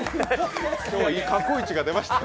今日は過去一が出ましたよ